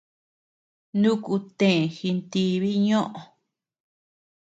Nuku të jintibi ñoʼö.